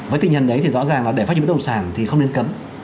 với tư nhân đấy thì rõ ràng là để phát triển bất động sản thì không nên cấm